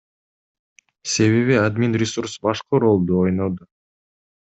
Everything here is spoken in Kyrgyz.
Себеби админресурс башкы ролду ойноду.